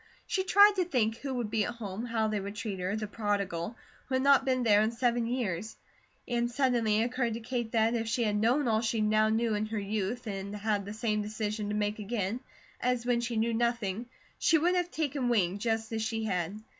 She tried to think who would be at home, how they would treat her, the Prodigal, who had not been there in seven years; and suddenly it occurred to Kate that, if she had known all she now knew in her youth, and had the same decision to make again as when she knew nothing, she would have taken wing, just as she had.